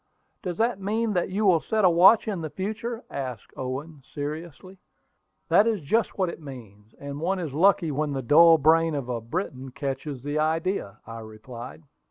"Does that mean that you will set a watch in the future?" asked Owen, seriously. "That is just what it means: and one is lucky when the dull brain of a Briton catches the idea," I replied.